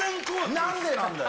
なんでなんだよ。